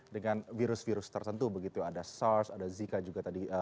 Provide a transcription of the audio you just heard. dengan virus virus tertentu begitu ada sars ada zika juga tadi